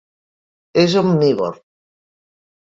És omnívor.